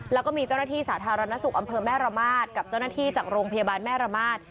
แล้วก็มีเจ้าหน้าที่สาธารณสุขอำเภอแม่ระมาทกับเจ้าหน้าที่จากโรงพยาบาลแม่ระมาท